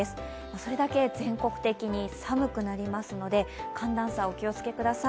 それだけ全国的に寒くなりますので寒暖差、お気をつけください。